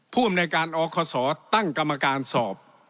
ผู้อำนวยการอคศตั้งกรรมการสอบ